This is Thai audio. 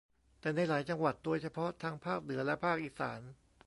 แต่ในหลายจังหวัดโดยเฉพาะทางภาคเหนือและภาคอีสาน